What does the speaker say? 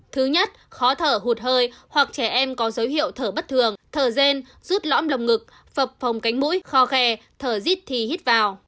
thứ nhất khó thở hụt hơi hoặc trẻ em có dấu hiệu thở bất thường thở gen rút lõm lồng ngực phòng cánh mũi kho khe thở dít thì hít vào